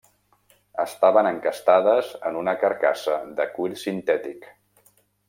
Estaven encastades en una carcassa de cuir sintètic.